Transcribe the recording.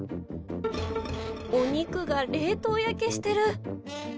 お肉が冷凍焼けしてる。